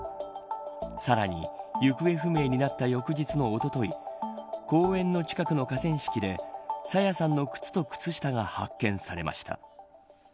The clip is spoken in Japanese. さらに、行方不明になった翌日のおととい公園の近くの河川敷で朝芽さんの靴と靴下が発見されました。